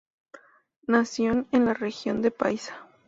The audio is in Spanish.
Nación en la región de Paisa.